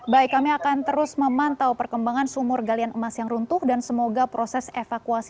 baik kami akan terus memantau perkembangan sumur galian emas yang runtuh dan sehingga kita bisa menemukan